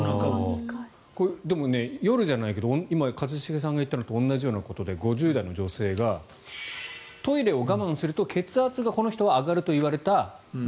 でも、夜じゃないけど今、一茂さんが言ったのと同じようなことで５０代の女性がトイレを我慢すると血圧が上がるとこの人は言われた。